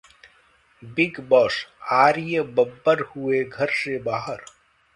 Bigg Boss: Arya Babbar हुए घर से बाहर